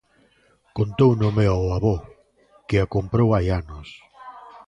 Contouno meu avó que a comprou hai anos.